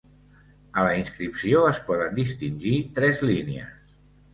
A la inscripció, es poden distingir tres línies.